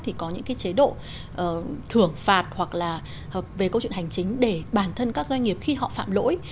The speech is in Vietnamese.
thì có những cái chế độ thưởng phạt hoặc là về câu chuyện hành chính để bản thân các doanh nghiệp khi họ phạm lỗi